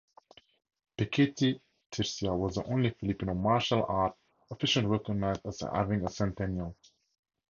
Pekiti-Tirsia was the only Filipino Martial Art officially recognized as having a centennial.